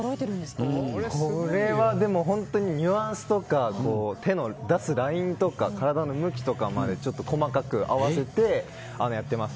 これはニュアンスとか手の出すラインとか体の向きとかまで細かく合わせてやってます。